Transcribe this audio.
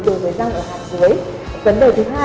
đối với răng ở mặt dưới vấn đề thứ hai